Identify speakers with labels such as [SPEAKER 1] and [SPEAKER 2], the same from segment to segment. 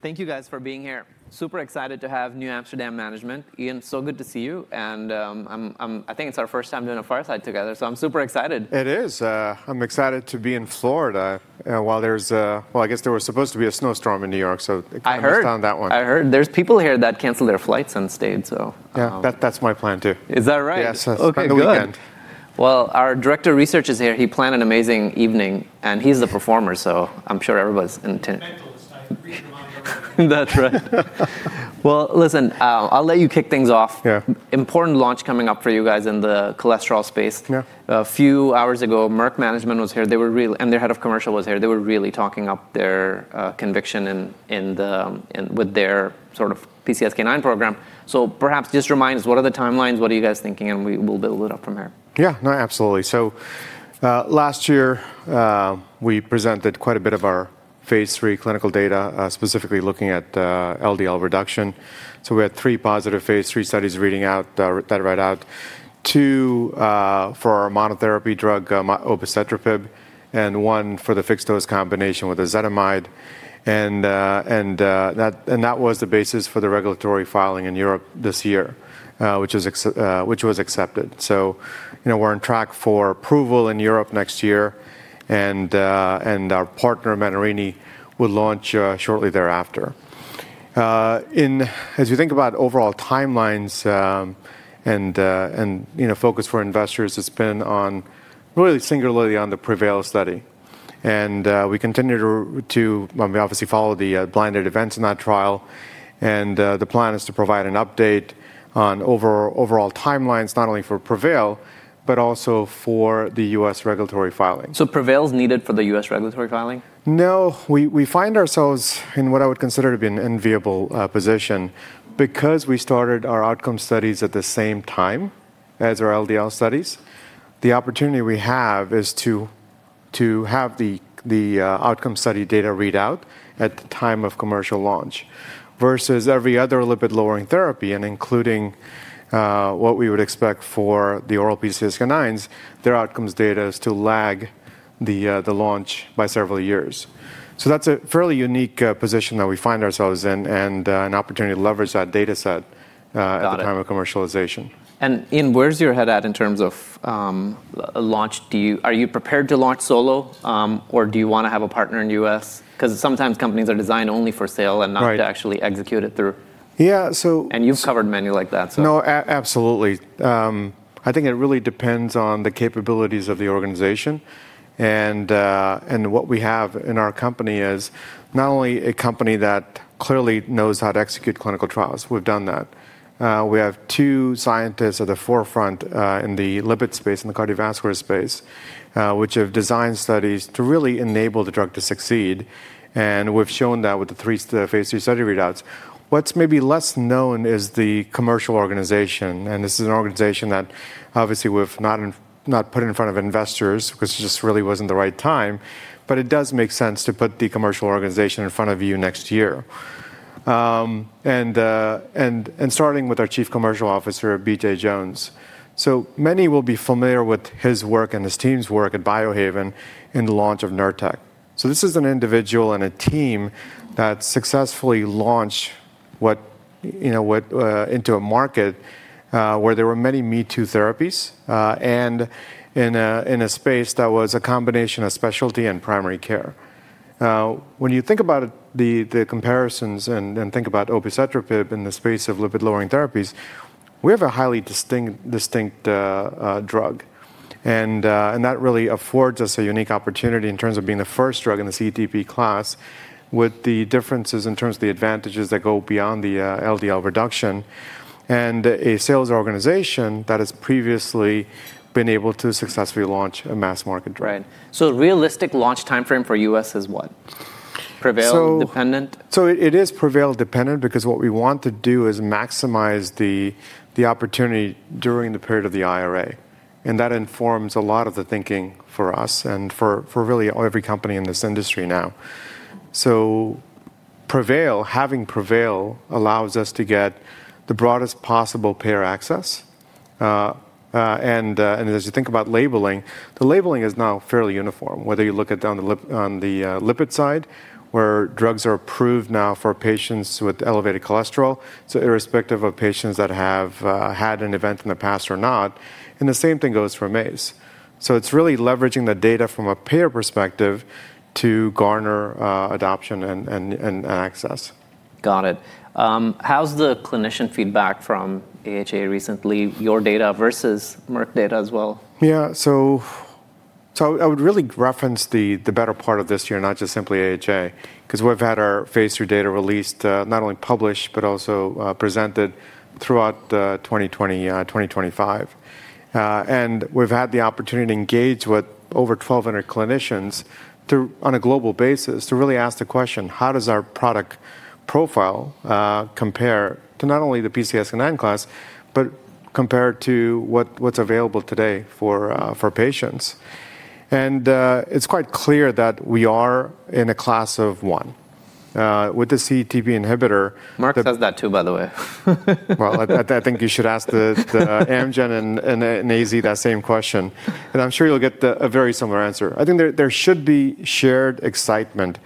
[SPEAKER 1] Thank you, guys, for being here. Super excited to have NewAmsterdam management. Ian, so good to see you. And I think it's our first time doing a Farsight together, so I'm super excited.
[SPEAKER 2] It is. I'm excited to be in Florida while there's a, well, I guess there was supposed to be a snowstorm in New York, so I found that one.
[SPEAKER 1] I heard. There's people here that canceled their flights and stayed, so.
[SPEAKER 2] Yeah, that's my plan too.
[SPEAKER 1] Is that right?
[SPEAKER 2] Yes, that's kind of the plan.
[SPEAKER 1] Our director of research is here. He planned an amazing evening, and he's the performer, so I'm sure everybody's in attendance.
[SPEAKER 2] That's right.
[SPEAKER 1] Well, listen. I'll let you kick things off. Important launch coming up for you guys in the cholesterol space. A few hours ago, Merck management was here, and their head of commercial was here. They were really talking up their conviction with their sort of PCSK9 program. So perhaps just remind us, what are the timelines? What are you guys thinking? And we will build it up from here.
[SPEAKER 2] Yeah, no, absolutely. So last year, we presented quite a bit of our phase III clinical data, specifically looking at LDL reduction. So we had three positive phase III studies that read out two for our monotherapy drug, obicetrapib, and one for the fixed-dose combination with ezetimibe. And that was the basis for the regulatory filing in Europe this year, which was accepted. So we're on track for approval in Europe next year, and our partner, Menarini, would launch shortly thereafter. As you think about overall timelines and focus for investors, it's been really singularly on the PREVAIL study. And we continue to, obviously, follow the blinded events in that trial. And the plan is to provide an update on overall timelines, not only for PREVAIL, but also for the U.S. regulatory filing.
[SPEAKER 1] So PREVAIL's needed for the U.S. regulatory filing?
[SPEAKER 2] No, we find ourselves in what I would consider to be an enviable position. Because we started our outcome studies at the same time as our LDL studies, the opportunity we have is to have the outcome study data read out at the time of commercial launch versus every other lipid-lowering therapy. And including what we would expect for the oral PCSK9s, their outcomes data is to lag the launch by several years. So that's a fairly unique position that we find ourselves in and an opportunity to leverage that data set at the time of commercialization.
[SPEAKER 1] And Ian, where's your head at in terms of launch? Are you prepared to launch solo, or do you want to have a partner in the U.S.? Because sometimes companies are designed only for sale and not to actually execute it through.
[SPEAKER 2] Yeah, so.
[SPEAKER 1] And you've covered many like that, so.
[SPEAKER 2] No, absolutely. I think it really depends on the capabilities of the organization, and what we have in our company is not only a company that clearly knows how to execute clinical trials. We've done that. We have two scientists at the forefront in the lipid space and the cardiovascular space, which have designed studies to really enable the drug to succeed, and we've shown that with the phase III study readouts. What's maybe less known is the commercial organization, and this is an organization that, obviously, we've not put in front of investors because it just really wasn't the right time, but it does make sense to put the commercial organization in front of you next year, and starting with our Chief Commercial Officer, BJ Jones. So many will be familiar with his work and his team's work at Biohaven in the launch of Nurtec. This is an individual and a team that successfully launched into a market where there were many me-too therapies and in a space that was a combination of specialty and primary care. When you think about the comparisons and think about obicetrapib in the space of lipid-lowering therapies, we have a highly distinct drug. That really affords us a unique opportunity in terms of being the first drug in the CETP class with the differences in terms of the advantages that go beyond the LDL reduction and a sales organization that has previously been able to successfully launch a mass market drug.
[SPEAKER 1] Right. So realistic launch time frame for U.S. is what? PREVAIL dependent?
[SPEAKER 2] It is PREVAIL dependent because what we want to do is maximize the opportunity during the period of the IRA. That informs a lot of the thinking for us and for really every company in this industry now. PREVAIL, having PREVAIL allows us to get the broadest possible payer access. As you think about labeling, the labeling is now fairly uniform, whether you look at it on the lipid side where drugs are approved now for patients with elevated cholesterol, so irrespective of patients that have had an event in the past or not. The same thing goes for MACE. It is really leveraging the data from a payer perspective to garner adoption and access.
[SPEAKER 1] Got it. How's the clinician feedback from AHA recently, your data versus Merck data as well?
[SPEAKER 2] Yeah, so I would really reference the better part of this year, not just simply AHA, because we've had our phase III data released, not only published, but also presented throughout 2024, 2025. And we've had the opportunity to engage with over 1,200 clinicians on a global basis to really ask the question, how does our product profile compare to not only the PCSK9 class, but compare to what's available today for patients? And it's quite clear that we are in a class of one with the CETP inhibitor.
[SPEAKER 1] Merck says that too, by the way.
[SPEAKER 2] Well, I think you should ask Amgen and AZ that same question. And I'm sure you'll get a very similar answer. I think there should be shared excitement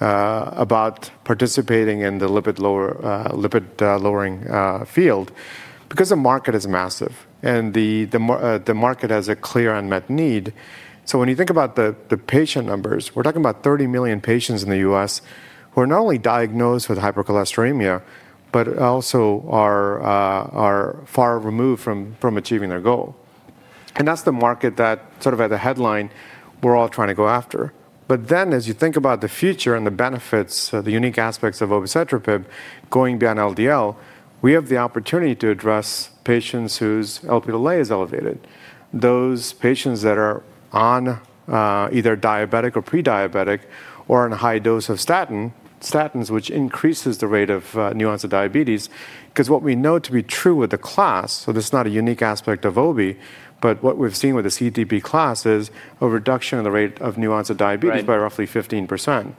[SPEAKER 2] about participating in the lipid-lowering field because the market is massive and the market has a clear unmet need. So when you think about the patient numbers, we're talking about 30 million patients in the U.S. who are not only diagnosed with hypercholesterolemia but also are far removed from achieving their goal. And that's the market that sort of at the headline we're all trying to go after. But then as you think about the future and the benefits, the unique aspects of obicetrapib going beyond LDL, we have the opportunity to address patients whose Lp (a) is elevated. Those patients that are on either diabetic or pre-diabetic or on a high dose of statins, which increases the rate of new-onset diabetes. Because what we know to be true with the class, so this is not a unique aspect of OB, but what we've seen with the CETP class is a reduction in the rate of new-onset diabetes by roughly 15%.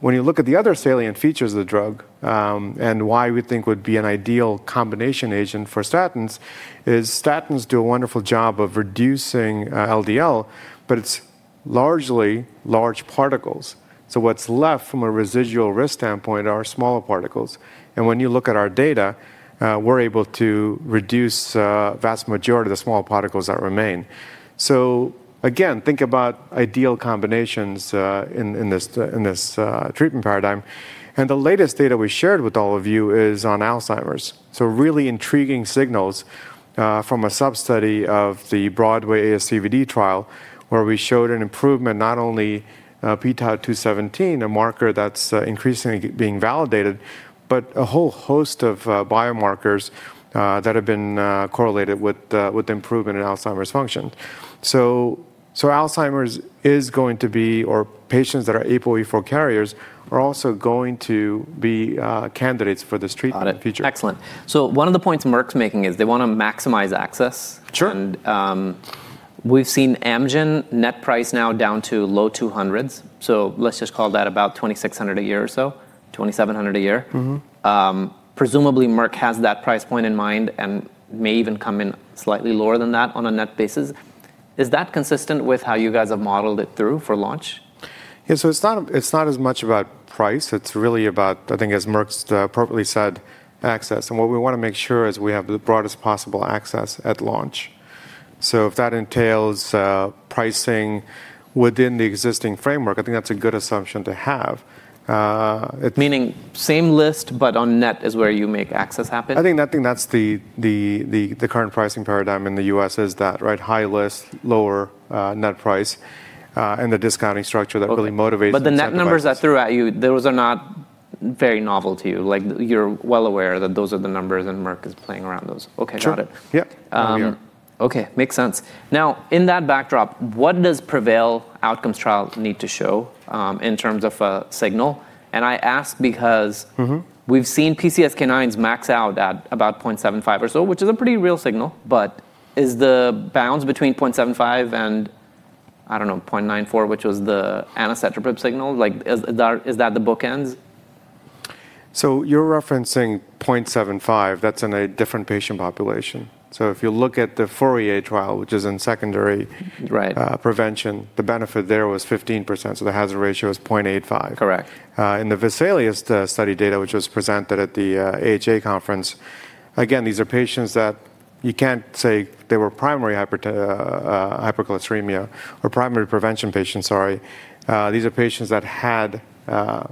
[SPEAKER 2] When you look at the other salient features of the drug and why we think would be an ideal combination agent for statins, is statins do a wonderful job of reducing LDL, but it's largely large particles. So what's left from a residual risk standpoint are smaller particles. And when you look at our data, we're able to reduce the vast majority of the small particles that remain. So again, think about ideal combinations in this treatment paradigm. And the latest data we shared with all of you is on Alzheimer's. So, really intriguing signals from a sub-study of the BROADWAY ASCVD trial where we showed an improvement not only in p-tau217, a marker that's increasingly being validated, but a whole host of biomarkers that have been correlated with improvement in Alzheimer's function. So, Alzheimer's is going to be, or patients that are ApoE4 carriers are also going to be candidates for this treatment in the future.
[SPEAKER 1] Got it. Excellent. So one of the points Merck's making is they want to maximize access.
[SPEAKER 2] Sure.
[SPEAKER 1] And we've seen Amgen net price now down to low 200s. So let's just call that about $2,600 a year or so, $2,700 a year. Presumably, Merck has that price point in mind and may even come in slightly lower than that on a net basis. Is that consistent with how you guys have modeled it through for launch?
[SPEAKER 2] Yeah, so it's not as much about price. It's really about, I think, as Merck's appropriately said, access. And what we want to make sure is we have the broadest possible access at launch. So if that entails pricing within the existing framework, I think that's a good assumption to have.
[SPEAKER 1] Meaning same list, but on net is where you make access happen?
[SPEAKER 2] I think that's the current pricing paradigm in the U.S. is that, right, high list, lower net price, and the discounting structure that really motivates the decision.
[SPEAKER 1] But the net numbers I threw at you, those are not very novel to you. You're well aware that those are the numbers and Merck is playing around those. Okay, got it.
[SPEAKER 2] Sure. Yeah.
[SPEAKER 1] Okay, makes sense. Now, in that backdrop, what does PREVAIL outcomes trial need to show in terms of a signal? And I ask because we've seen PCSK9s max out at about 0.75 or so, which is a pretty real signal. But is the bounds between 0.75 and, I don't know, 0.94, which was the anacetrapib signal, is that the bookends?
[SPEAKER 2] So you're referencing 0.75. That's in a different patient population. So if you look at the FOURIER trial, which is in secondary prevention, the benefit there was 15%. So the hazard ratio is 0.85.
[SPEAKER 1] Correct.
[SPEAKER 2] In the Vesalius study data, which was presented at the AHA conference, again, these are patients that you can't say they were primary hypercholesterolemia or primary prevention patients, sorry. These are patients that had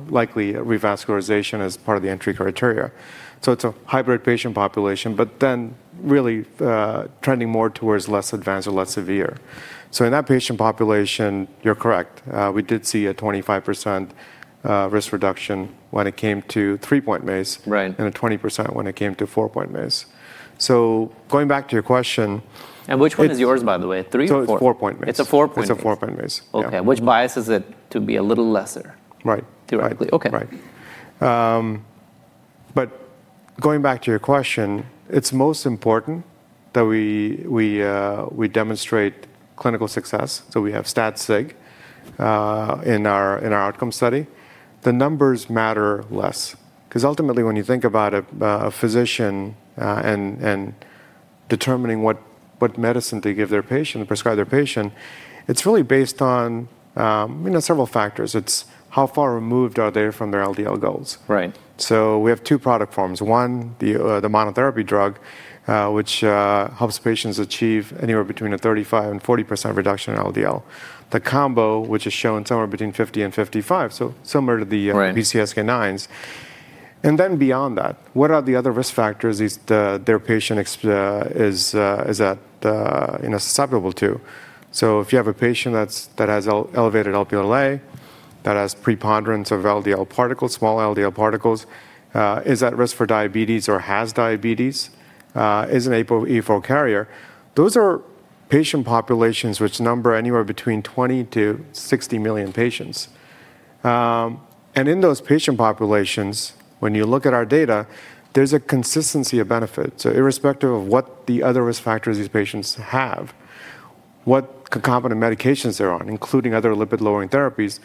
[SPEAKER 2] likely revascularization as part of the entry criteria. So it's a hybrid patient population, but then really trending more towards less advanced or less severe. So in that patient population, you're correct. We did see a 25% risk reduction when it came to three-point MACE and a 20% when it came to four-point MACE. So going back to your question.
[SPEAKER 1] Which one is yours, by the way? Three?
[SPEAKER 2] Four-point MACE.
[SPEAKER 1] It's a four-point MACE.
[SPEAKER 2] It's a four-point MACE.
[SPEAKER 1] Okay. Which bias is it to be a little lesser?
[SPEAKER 2] Right.
[SPEAKER 1] Theoretically. Okay.
[SPEAKER 2] Right, but going back to your question, it's most important that we demonstrate clinical success, so we have stat sig in our outcome study. The numbers matter less, because ultimately, when you think about a physician and determining what medicine to give their patient, prescribe their patient, it's really based on several factors. It's how far removed are they from their LDL goals.
[SPEAKER 1] Right.
[SPEAKER 2] So we have two product forms. One, the monotherapy drug, which helps patients achieve anywhere between 35%-40% reduction in LDL. The combo, which is shown somewhere between 50%-55%, so similar to the PCSK9s. And then beyond that, what are the other risk factors their patient is susceptible to? So if you have a patient that has elevated Lp (a), that has preponderance of LDL particles, small LDL particles, is at risk for diabetes or has diabetes, is an ApoE4 carrier, those are patient populations which number anywhere between 20-60 million patients. And in those patient populations, when you look at our data, there's a consistency of benefit. So irrespective of what the other risk factors these patients have, what concomitant medications they're on, including other lipid-lowering therapies,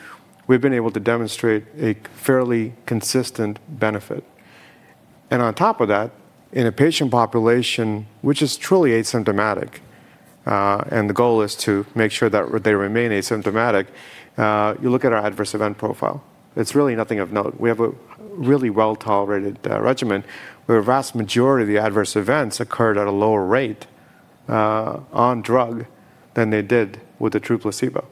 [SPEAKER 2] we've been able to demonstrate a fairly consistent benefit. And on top of that, in a patient population which is truly asymptomatic, and the goal is to make sure that they remain asymptomatic, you look at our adverse event profile. It's really nothing of note. We have a really well-tolerated regimen where a vast majority of the adverse events occurred at a lower rate on drug than they did with the true placebo.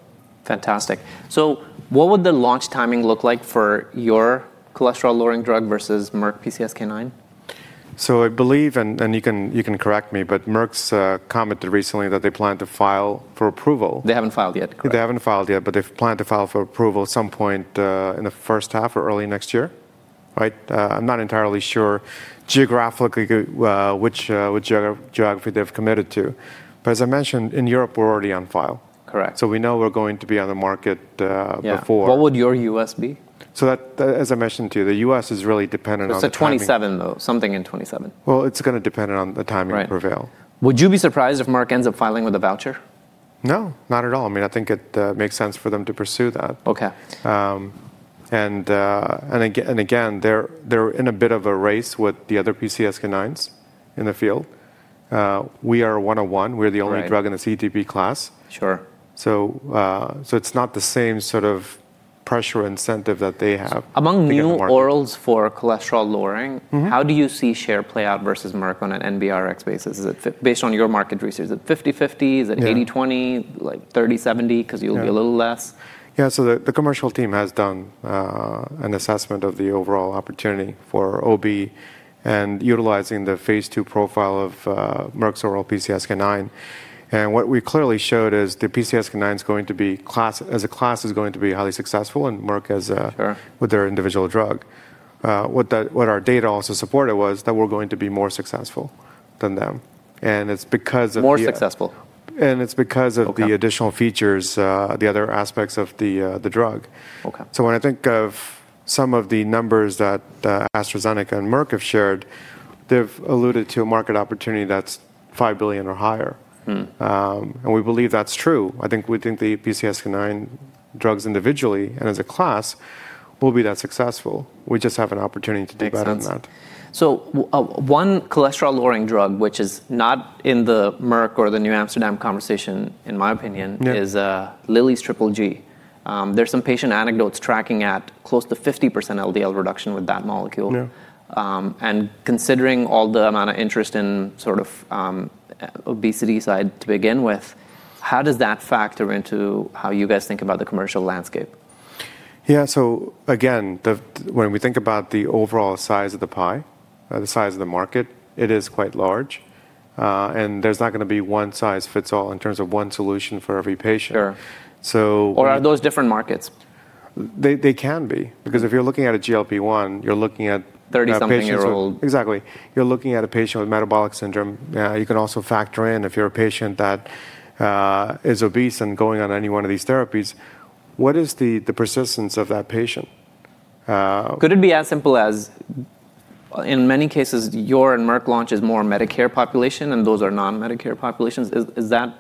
[SPEAKER 1] Fantastic. So what would the launch timing look like for your cholesterol-lowering drug versus Merck PCSK9?
[SPEAKER 2] So I believe, and you can correct me, but Merck's commented recently that they plan to file for approval.
[SPEAKER 1] They haven't filed yet.
[SPEAKER 2] They haven't filed yet, but they plan to file for approval at some point in the first half or early next year. Right? I'm not entirely sure geographically which geography they've committed to. But as I mentioned, in Europe, we're already on file.
[SPEAKER 1] Correct.
[SPEAKER 2] So we know we're going to be on the market before.
[SPEAKER 1] Yeah. What would your U.S. be?
[SPEAKER 2] So as I mentioned to you, the U.S. is really dependent on the timing.
[SPEAKER 1] So, 2027, though, something in 2027.
[SPEAKER 2] It's going to depend on the timing of PREVAIL.
[SPEAKER 1] Right. Would you be surprised if Merck ends up filing with a voucher?
[SPEAKER 2] No, not at all. I mean, I think it makes sense for them to pursue that.
[SPEAKER 1] Okay.
[SPEAKER 2] Again, they're in a bit of a race with the other PCSK9s in the field. We are one-on-one. We're the only drug in the CETP class.
[SPEAKER 1] Sure.
[SPEAKER 2] So it's not the same sort of pressure incentive that they have.
[SPEAKER 1] Among new orals for cholesterol-lowering, how do you see share play out versus Merck on an NBRx basis? Based on your market research, is it 50%-50%? Is it 80%-20%? 30%-70%? Because you'll be a little less.
[SPEAKER 2] Yeah, so the commercial team has done an assessment of the overall opportunity for OB and utilizing the phase II profile of Merck's oral PCSK9. And what we clearly showed is the PCSK9, as a class, is going to be highly successful and Merck, as with their individual drug. What our data also supported was that we're going to be more successful than them. And it's because of the.
[SPEAKER 1] More successful.
[SPEAKER 2] It's because of the additional features, the other aspects of the drug.
[SPEAKER 1] Okay.
[SPEAKER 2] So when I think of some of the numbers that AstraZeneca and Merck have shared, they've alluded to a market opportunity that's $5 billion or higher. And we believe that's true. I think we think the PCSK9 drugs individually and as a class will be that successful. We just have an opportunity to do better than that.
[SPEAKER 1] Makes sense. So one cholesterol-lowering drug, which is not in the Merck or the NewAmsterdam conversation, in my opinion, is Lilly's Triple G. There's some patient anecdotes tracking at close to 50% LDL reduction with that molecule. And considering all the amount of interest in sort of obesity side to begin with, how does that factor into how you guys think about the commercial landscape?
[SPEAKER 2] Yeah, so again, when we think about the overall size of the pie, the size of the market, it is quite large, and there's not going to be one size fits all in terms of one solution for every patient.
[SPEAKER 1] Sure. Or are those different markets?
[SPEAKER 2] They can be. Because if you're looking at a GLP-1, you're looking at.
[SPEAKER 1] 30-something-year-old.
[SPEAKER 2] Exactly. You're looking at a patient with metabolic syndrome. You can also factor in if you're a patient that is obese and going on any one of these therapies, what is the persistence of that patient?
[SPEAKER 1] Could it be as simple as, in many cases, yours and Merck's launch is more Medicare population and those are non-Medicare populations? Is that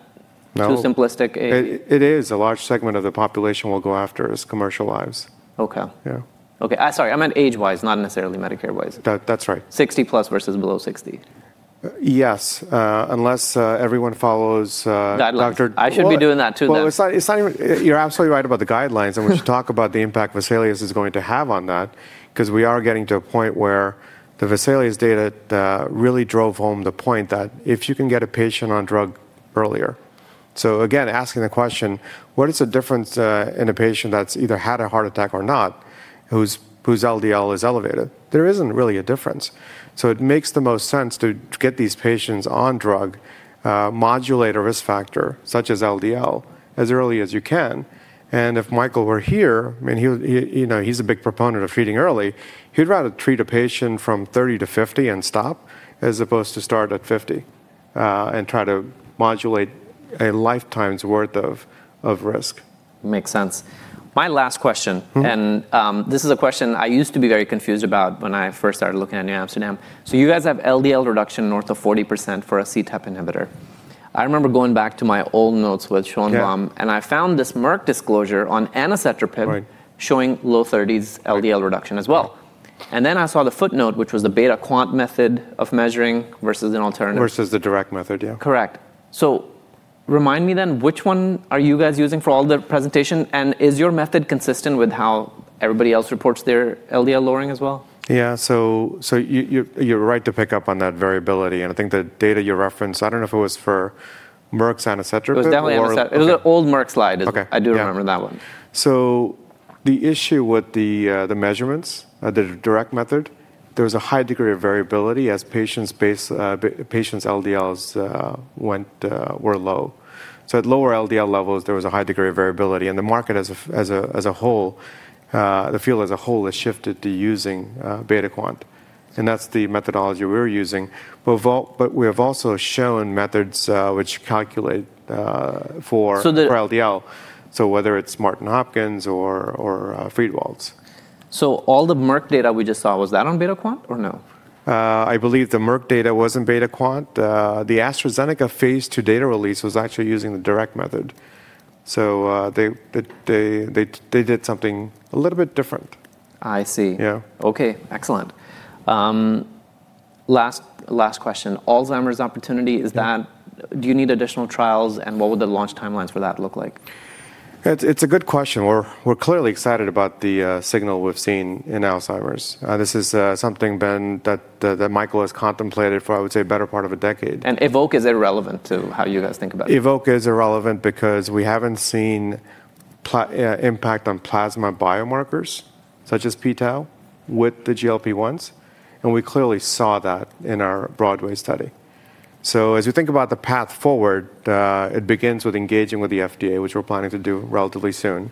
[SPEAKER 1] too simplistic?
[SPEAKER 2] It is. A large segment of the population we'll go after is commercial lives.
[SPEAKER 1] Okay.
[SPEAKER 2] Yeah.
[SPEAKER 1] Okay. Sorry, I meant age-wise, not necessarily Medicare-wise.
[SPEAKER 2] That's right.
[SPEAKER 1] 60+ versus below 60.
[SPEAKER 2] Yes. Unless everyone follows.
[SPEAKER 1] Guidelines. I should be doing that too, then.
[SPEAKER 2] You're absolutely right about the guidelines, and we should talk about the impact Vesalius is going to have on that. Because we are getting to a point where the Vesalius data really drove home the point that if you can get a patient on drug earlier. So again, asking the question, what is the difference in a patient that's either had a heart attack or not, whose LDL is elevated? There isn't really a difference. So it makes the most sense to get these patients on drug, modulate a risk factor such as LDL as early as you can, and if Michael were here, I mean, he's a big proponent of treating early, he'd rather treat a patient from 30 to 50 and stop as opposed to start at 50 and try to modulate a lifetime's worth of risk.
[SPEAKER 1] Makes sense. My last question. And this is a question I used to be very confused about when I first started looking at NewAmsterdam. So you guys have LDL reduction north of 40% for a CETP inhibitor. I remember going back to my old notes with Schoenebaum, and I found this Merck disclosure on anacetrapib showing low 30s LDL reduction as well. And then I saw the footnote, which was the beta-quant method of measuring versus an alternative.
[SPEAKER 2] Versus the direct method, yeah.
[SPEAKER 1] Correct. So remind me then, which one are you guys using for all the presentation? And is your method consistent with how everybody else reports their LDL lowering as well?
[SPEAKER 2] Yeah. So you're right to pick up on that variability. And I think the data you referenced, I don't know if it was for Merck's anacetrapib or.
[SPEAKER 1] It was the old Merck slide. I do remember that one.
[SPEAKER 2] So the issue with the measurements, the direct method, there was a high degree of variability as patients' LDLs were low. So at lower LDL levels, there was a high degree of variability. And the market as a whole, the field as a whole has shifted to using beta-quant. And that's the methodology we're using. But we have also shown methods which calculate for LDL. So whether it's Martin/Hopkins or Friedewald's.
[SPEAKER 1] So all the Merck data we just saw, was that on beta-quant or no?
[SPEAKER 2] I believe the Merck data was in beta-quant. The AstraZeneca phase II data release was actually using the direct method. So they did something a little bit different.
[SPEAKER 1] I see.
[SPEAKER 2] Yeah.
[SPEAKER 1] Okay. Excellent. Last question. Alzheimer's opportunity, do you need additional trials? And what would the launch timelines for that look like?
[SPEAKER 2] It's a good question. We're clearly excited about the signal we've seen in Alzheimer's. This is something, Ben, that Michael has contemplated for, I would say, a better part of a decade.
[SPEAKER 1] EVOKE is irrelevant to how you guys think about it.
[SPEAKER 2] EVOKE is irrelevant because we haven't seen impact on plasma biomarkers such as p-tau217 with the GLP-1s. And we clearly saw that in our BROADWAY study. So as we think about the path forward, it begins with engaging with the FDA, which we're planning to do relatively soon.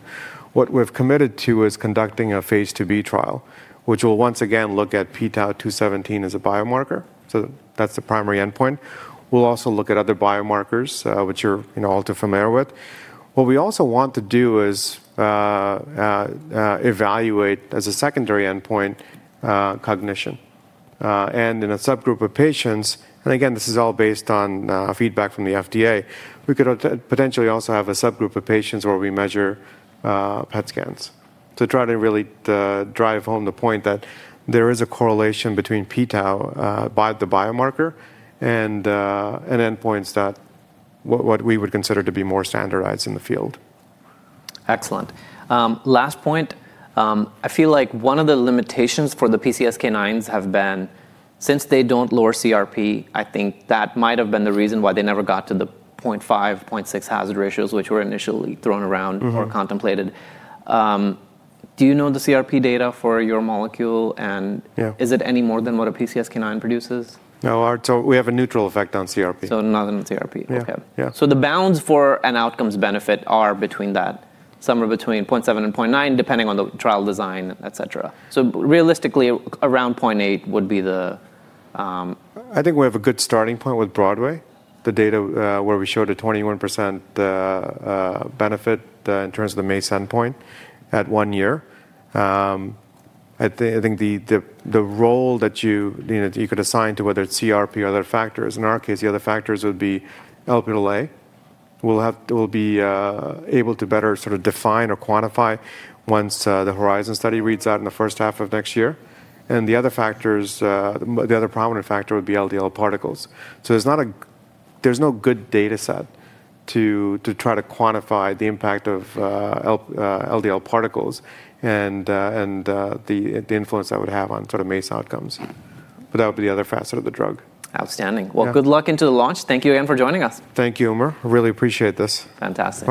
[SPEAKER 2] What we've committed to is conducting a phase II-B trial, which will once again look at p-tau217 as a biomarker. So that's the primary endpoint. We'll also look at other biomarkers, which you're all too familiar with. What we also want to do is evaluate as a secondary endpoint, cognition. And in a subgroup of patients, and again, this is all based on feedback from the FDA, we could potentially also have a subgroup of patients where we measure PET scans. To try to really drive home the point that there is a correlation between p-tau by the biomarker and endpoints that what we would consider to be more standardized in the field.
[SPEAKER 1] Excellent. Last point. I feel like one of the limitations for the PCSK9s have been, since they don't lower CRP, I think that might have been the reason why they never got to the 0.5, 0.6 hazard ratios, which were initially thrown around or contemplated. Do you know the CRP data for your molecule? And is it any more than what a PCSK9 produces?
[SPEAKER 2] No. We have a neutral effect on CRP.
[SPEAKER 1] Nothing on CRP. Okay.
[SPEAKER 2] Yeah.
[SPEAKER 1] So the bounds for an outcome's benefit are between that, somewhere between 0.7 and 0.9, depending on the trial design, etc. So realistically, around 0.8 would be the.
[SPEAKER 2] I think we have a good starting point with BROADWAY, the data where we showed a 21% benefit in terms of the MACE endpoint at one year. I think the role that you could assign to whether it's CRP or other factors, in our case, the other factors would be Lp (a). We'll be able to better sort of define or quantify once the HORIZON study reads out in the first half of next year. And the other factors, the other prominent factor would be LDL particles. So there's no good data set to try to quantify the impact of LDL particles and the influence that would have on sort of MACE outcomes. But that would be the other facet of the drug.
[SPEAKER 1] Outstanding. Well, good luck into the launch. Thank you again for joining us.
[SPEAKER 2] Thank you, Umar. Really appreciate this.
[SPEAKER 1] Fantastic.